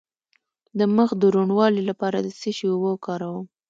د مخ د روڼوالي لپاره د څه شي اوبه وکاروم؟